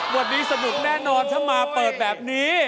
วันนี้สนุกแน่นอนถ้ามาเปิดแบบนี้